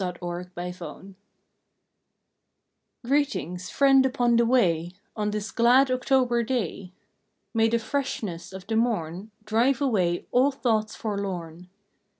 October Fifth GREETINGS /GREETINGS, Friend upon the way, ^* On this glad October day. May the freshness of the morn Drive away all thoughts forlorn.